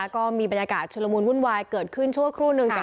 ก็มีบรรยากาศชุลมูลวุ่นวายเกิดขึ้นชั่วครู่นึง